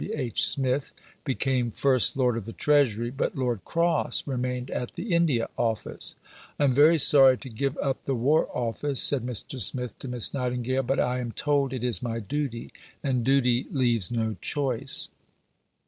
W. H. Smith became First Lord of the Treasury, but Lord Cross remained at the India Office. "I am very sorry to give up the War Office," said Mr. Smith to Miss Nightingale, "but I am told it is my duty, and duty leaves no choice."